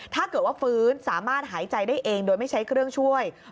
ถ้าเกิดว่าฟื้นสามารถหายใจได้เองโดยไม่ใช้เครื่องช่วย